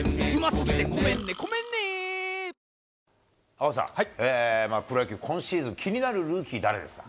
赤星さん、プロ野球、今シーズン、気になるルーキー、誰ですか。